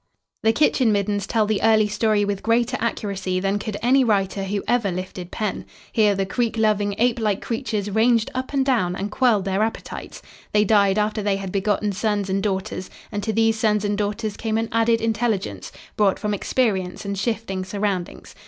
The kitchen middens tell the early story with greater accuracy than could any writer who ever lifted pen. Here the creek loving, ape like creatures ranged up and down and quelled their appetites. They died after they had begotten sons and daughters; and to these sons and daughters came an added intelligence, brought from experience and shifting surroundings.